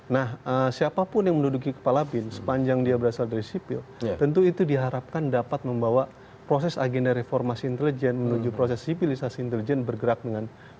nah siapapun yang menduduki kepala bin sepanjang dia berasal dari sipil tentu itu diharapkan dapat membawa proses agenda reformasi intelijen menuju proses sipilisasi intelijen bergerak dengan baik